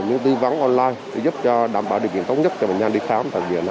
những tư vấn online giúp đảm bảo điều kiện tốt nhất cho bệnh nhân đi khám